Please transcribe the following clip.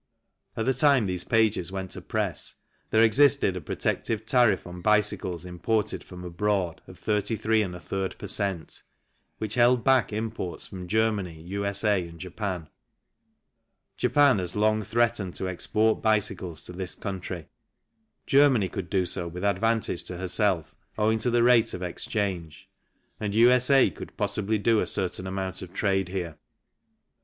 At the time these pages went to press there existed a protective tariff on bicycles imported from abroad of 33 J per cent., which held back imports from Germany, U.S.A., and Japan. Japan has long threatened to export bicycles to this country, Germany could do so with advantage to herself owing to the rate of exchange, and U.S.A. could possibly do a certain amount of trade here.